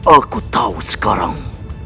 aku tahu sekarang